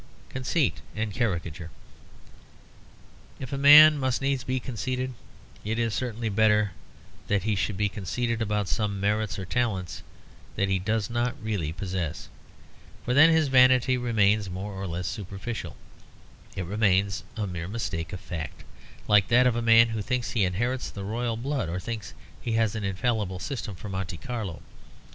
CONCEIT AND CARICATURE If a man must needs be conceited, it is certainly better that he should be conceited about some merits or talents that he does not really possess. For then his vanity remains more or less superficial; it remains a mere mistake of fact, like that of a man who thinks he inherits the royal blood or thinks he has an infallible system for Monte Carlo.